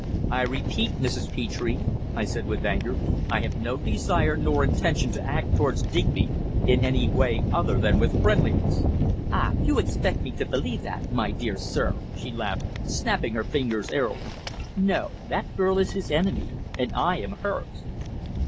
"I repeat, Mrs. Petre," I said with anger, "I have no desire nor intention to act towards Digby in any way other than with friendliness." "Ah! You expect me to believe that, my dear sir," she laughed, snapping her fingers airily. "No, that girl is his enemy, and I am hers."